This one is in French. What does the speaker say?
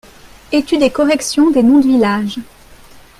Etude et correction des noms de villages.